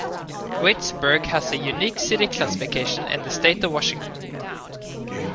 Waitsburg has a unique city classification in the State of Washington.